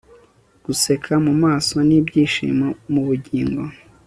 guseka mumaso n'ibyishimo mubugingo